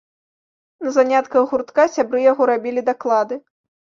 На занятках гуртка сябры яго рабілі даклады.